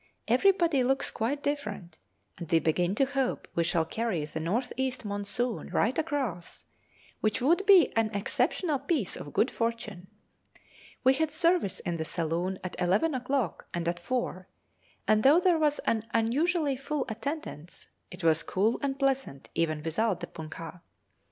Everybody looks quite different, and we begin to hope we shall carry the north east monsoon right across, which would be an exceptional piece of good fortune. We had service in the saloon at eleven o'clock and at four, and though there was an unusually full attendance it was cool and pleasant even without the punkah.